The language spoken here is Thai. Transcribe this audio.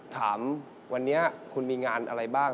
ถามวันนี้คุณมีงานอะไรบ้าง